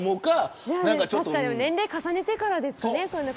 年齢を重ねてからですかね。